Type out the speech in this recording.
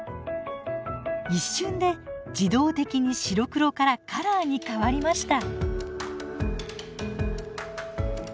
一瞬で自動的に白黒からカラーに変わりました。